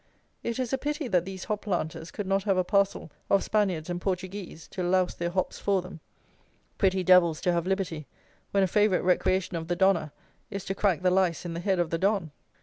It is a pity that these hop planters could not have a parcel of Spaniards and Portuguese to louse their hops for them. Pretty devils to have liberty, when a favourite recreation of the Donna is to crack the lice in the head of the Don!